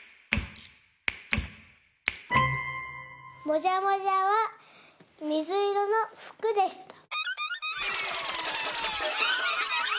もじゃもじゃはみずいろのふくでした。